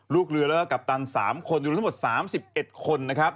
ลูกเรือแล้วกัปตัน๓คนอยู่ทั้งหมด๓๑คน